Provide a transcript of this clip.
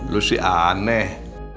lu sih aneh